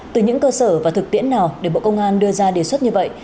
từ những cơ sở và thực tiễn nào để bộ công an đưa ra đề xuất như vậy